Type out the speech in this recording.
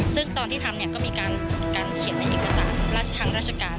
ซึ่งตอนที่ทำเนี่ยก็มีการเขียนในเอกสารราชทางราชการ